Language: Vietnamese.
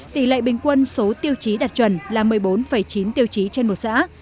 tỷ lệ bình quân số tiêu chí đạt chuẩn là một mươi bốn chín tiêu chí trên một xã